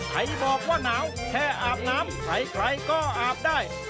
ใครบอกว่าหนาวแค่อาบน้ำใครก็อาบได้